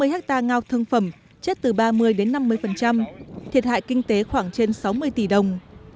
năm mươi hectare ngao thương phẩm chết từ ba mươi đến năm mươi thiệt hại kinh tế khoảng trên sáu mươi tỷ đồng